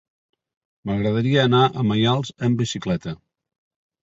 M'agradaria anar a Maials amb bicicleta.